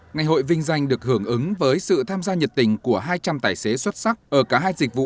ngày hội vinh danh được hưởng ứng với sự tham gia nhiệt tình của hai trăm linh tài xế xuất sắc ở cả hai dịch vụ